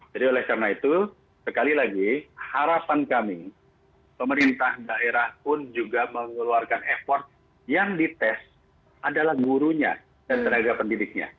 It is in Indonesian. jadi oleh karena itu sekali lagi harapan kami pemerintah daerah pun juga mengeluarkan effort yang dites adalah gurunya dan tenaga pendidiknya